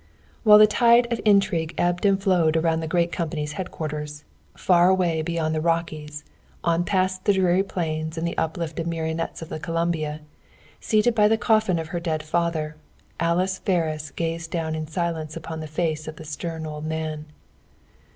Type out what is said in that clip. While the tide of intrigue ebbed and flowed around the great company's headquarters, far away beyond the Rockies, on past the dreary plains and the uplifted minarets of the Columbia, seated by the coffin of her dead father, Alice Ferris gazed down in silence upon the face of the stern old man.